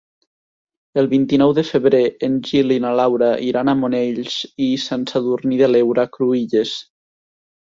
El vint-i-nou de febrer en Gil i na Laura iran a Monells i Sant Sadurní de l'Heura Cruïlles.